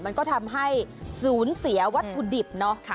มันก็ทำให้สูญเสียวัตถุดิบ